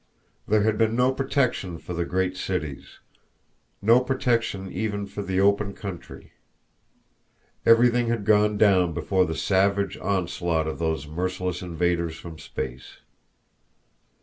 There had been no protection for the great cities; no protection even for the open country. Everything had gone down before the savage onslaught of those merciless invaders from space.